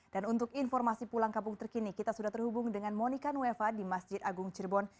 dan untuk informasi pulang kampung terkini kita sudah terhubung dengan monika nueva di masjid agung cirebon